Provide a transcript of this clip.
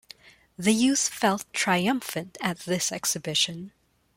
The youth felt triumphant at this exhibition.